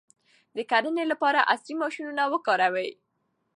د کرنې لپاره عصري ماشینونه وکاروئ.